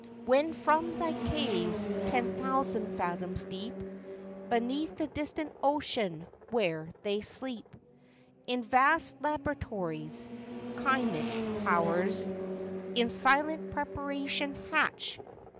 When from thy caves, ten thousand tathoms deep, Beneath the distant ocean, where they sleep In vast laboratories, chymic powers In silent preparation hatch.